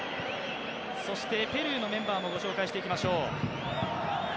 ペルーのメンバーもご紹介していきましょう。